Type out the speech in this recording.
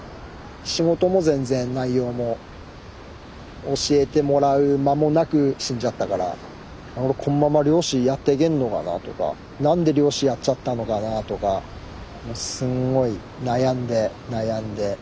仕事も全然内容も教えてもらう間もなく死んじゃったから俺このまま漁師やっていけんのかなとか何で漁師やっちゃったのかなとかすんごい悩んで悩んで。